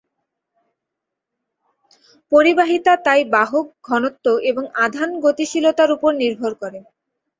পরিবাহিতা তাই বাহক ঘনত্ব এবং আধান গতিশীলতার উপর নির্ভর করে।